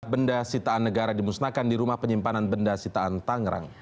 benda sitaan negara dimusnahkan di rumah penyimpanan benda sitaan tangerang